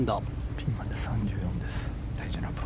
ピンまで３４です。